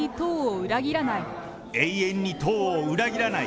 永遠に党を裏切らない。